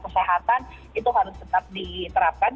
kesehatan itu harus tetap diterapkan